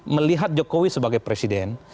melihat jokowi sebagai presiden